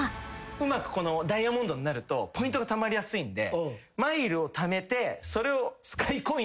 うまくダイヤモンドになるとポイントがたまりやすいんで。